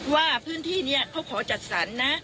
ว่าพื้นที่นี้เขาขอจัดสรรนะ